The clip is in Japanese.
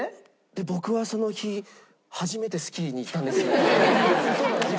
僕はその日初めてスキーに行ったんです。